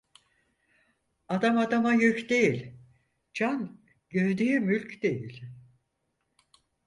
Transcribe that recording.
Adam adama yük değil, can gövdeye mülk değil.